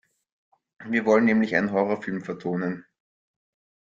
Wir wollen nämlich einen Horrorfilm vertonen.